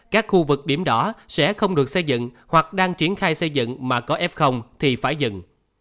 các khu vực điểm đó sẽ không được xây dựng hoặc đang triển khai xây dựng mà có f thì phải dừng